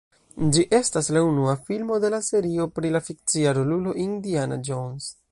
Ĝi estas la unua filmo de la serio pri la fikcia rolulo Indiana Jones.